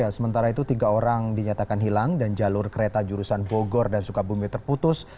sementara itu tiga orang dinyatakan hilang dan jalur kereta jurusan bogor dan sukabumi terputus